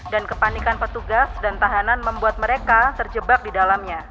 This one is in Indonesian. kepanikan petugas dan tahanan membuat mereka terjebak di dalamnya